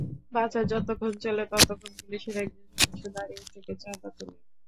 বাজার যতক্ষণ চলে ততক্ষণ পুলিশের একজন সদস্য দাঁড়িয়ে থেকে চাঁদা তোলেন।